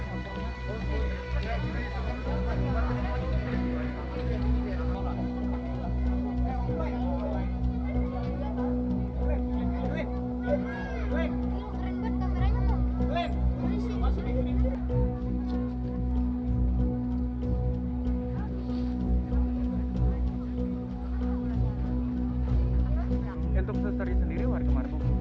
untuk sister di sendiri warga marifung